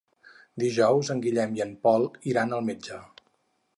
Dijous en Guillem i en Pol iran al metge.